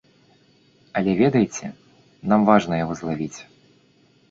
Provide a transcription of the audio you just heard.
Але ведаеце, нам важна яго злавіць.